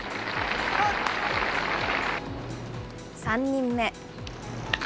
３人目。